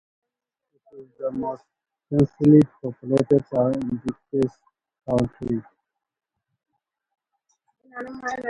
It is the most densely populated town in Dukes County.